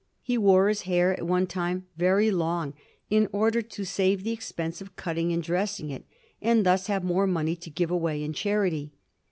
He wore his hair at one time very long in order to save the expense of cutting and dressing it, and thi\p have more money to give away in charity.